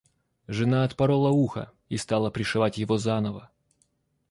Жена отпорола ухо и стала пришивать его заново.